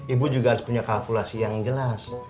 ibu juga harus punya kalkulasi yang jelas